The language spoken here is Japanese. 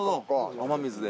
雨水で。